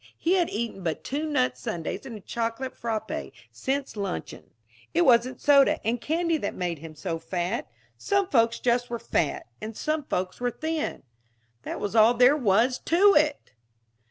He had eaten but two nut sundaes and a chocolate frappé since luncheon. It wasn't soda and candy that made him so fat. Some folks just were fat, and some folks were thin. That was all there was to it!